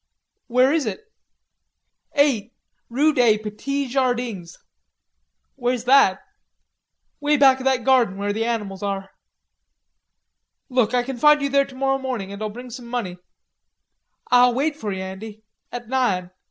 "Where is it." "Eight, rew day Petee Jardings." "Where's that?" "Way back of that garden where the animals are." "Look, I can find you there tomorrow morning, and I'll bring some money." "Ah'll wait for ye, Andy, at nine.